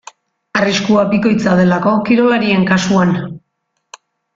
Arriskua bikoitza delako kirolarien kasuan.